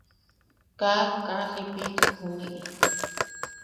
Kaa... kaa jiʼipikek juni.